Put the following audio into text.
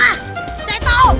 ah saya tau